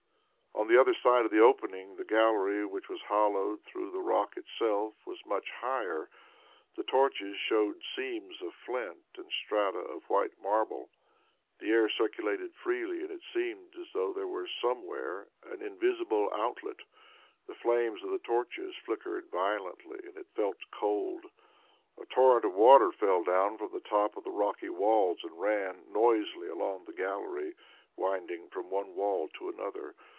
On the other side of the opening the gallery, which was hollowed through the rock itself, was much higher. The torches showed seams of flint and strata of white marble. The air circulated freely, and it seemed as though there were somewhere an invisible outlet; the flames of the torches flickered violently and it felt cold. A torrent of water fell down from the top of the rocky walls, and ran noisily along the gallery, winding from one wall to another.